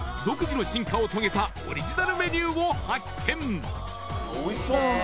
独自の進化を遂げたオリジナルメニューを発見おいしそう！